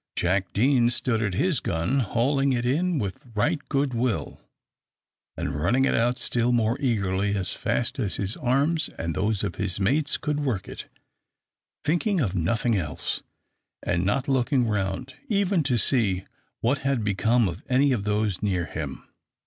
Jack Deane stood at his gun, hauling it in with right good will, and running it out still more eagerly as fast as his arms and those of his mates could work it, thinking of nothing else, and not looking round, even to see what had become of any of those near him.